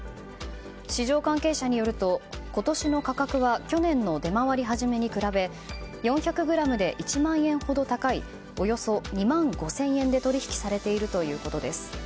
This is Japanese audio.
市場関係者によると今年の価格は去年の出回り始めに比べ４００ｇで１万円ほど高いおよそ２万５０００円で取り引きされているということです。